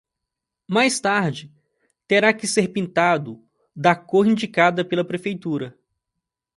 Mais tarde terá que ser pintado da cor indicada pela Prefeitura.